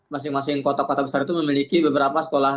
masing masing kota kota besar itu memiliki beberapa sekolah